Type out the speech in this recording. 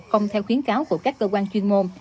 không theo khuyến cáo của các cơ quan chuyên môn